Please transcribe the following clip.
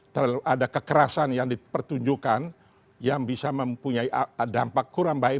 terlalu ada kekerasan yang dipertunjukkan yang bisa mempunyai dampak kurang baik